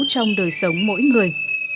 trong đời sống mỗi người